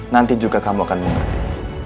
nanti juga kamu akan mengerti